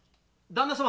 旦那様。